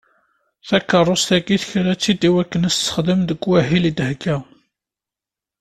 Takerrust-agi, tekra-tt-id akken a tt-tessexdem deg wahil i d-thegga.